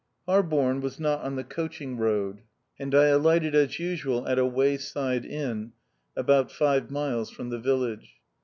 Harborne was not on the coaching road ; and I alighted as usual at a way side inn, about five miles from the village.